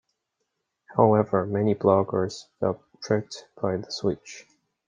However, many bloggers felt tricked by the switch.